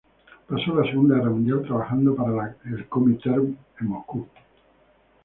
Pasó la Segunda Guerra Mundial trabajando para la Komintern en Moscú.